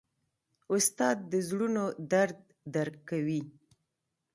استاد د زړونو درد درک کوي.